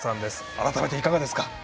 改めて、いかがですか？